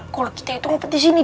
kalau kita itu ngumpet disini